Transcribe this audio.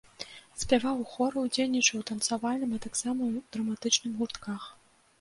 Спяваў у хоры, удзельнічаў у танцавальным, а таксама ў драматычным гуртках.